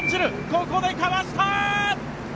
ここでかわした！